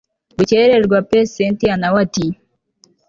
gukererwa pe cyntia nawe ati